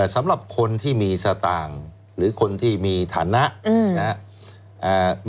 สำหรับคนที่มีสตางค์หรือคนที่มีฐานะนะครับ